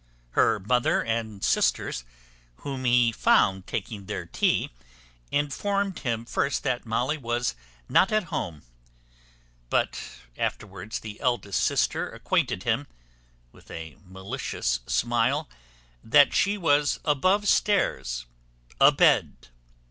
Her mother and sisters, whom he found taking their tea, informed him first that Molly was not at home; but afterwards the eldest sister acquainted him, with a malicious smile, that she was above stairs a bed.